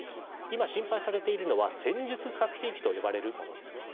今心配されているのは戦術核兵器と呼ばれるものですね。